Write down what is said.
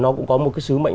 nó cũng có một cái sứ mệnh